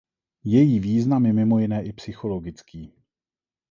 Její význam je mimo jiné i psychologický.